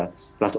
lalu mbak desaf